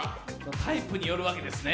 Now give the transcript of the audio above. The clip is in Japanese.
タイプによるわけですね。